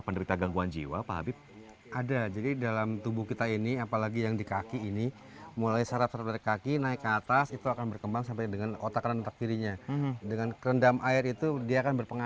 pernah ada hasilnya seperti apa